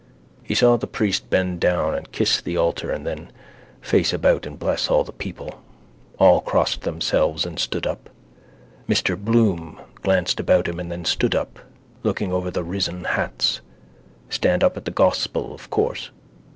He saw the priest bend down and kiss the altar and then face about and bless all the people. All crossed themselves and stood up. Mr Bloom glanced about him and then stood up, looking over the risen hats. Stand up at the gospel of course.